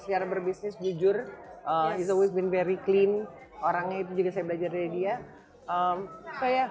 secara berbisnis jujur itu is been very clean orangnya itu juga saya belajar dari dia saya